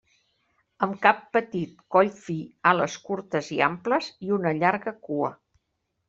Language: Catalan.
Amb cap petit, coll fi, ales curtes i amples, i una llarga cua.